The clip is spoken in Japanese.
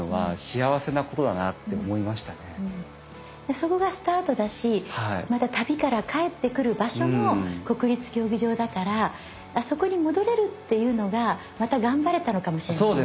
そこがスタートだしまた旅から帰ってくる場所も国立競技場だからあそこに戻れるっていうのがまた頑張れたのかもしれないね。